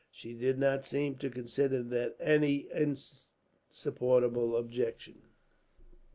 She did not seem to consider that any insupportable objection.